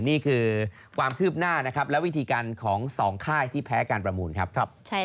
นี่คือความคืบหน้านะครับและวิธีการของสองค่ายที่แพ้การประมูลครับ